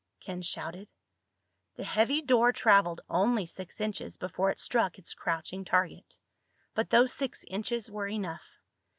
Ken shouted. The heavy door traveled only six inches before it struck its crouching target. But those six inches were enough.